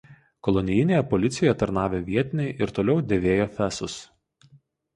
Kolonijinėje policijoje tarnavę vietiniai ir toliau dėvėjo fesus.